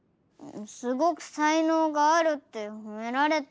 すごくさいのうがあるってほめられた。